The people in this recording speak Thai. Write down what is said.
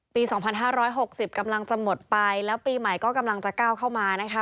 ปี๒๕๖๐กำลังจะหมดไปแล้วปีใหม่ก็กำลังจะก้าวเข้ามานะคะ